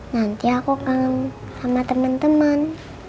nanti aku kangen sama temen temen